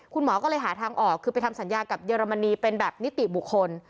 คุณหมอก็เลยหาทางออกคือไปทำสัญญากับเยอรมนีเป็นแบบนิติบุคคล